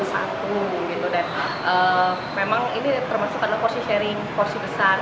dan memang ini termasuk adalah porsi sharing porsi besar